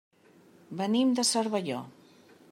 Venim de Cervelló.